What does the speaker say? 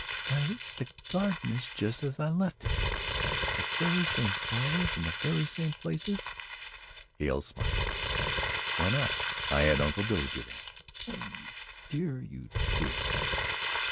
"Why, the garden is just as I left it! The very same flowers in the very same places!" Hale smiled. "Why not? I had Uncle Billy do that." "Oh, you dear you dear!"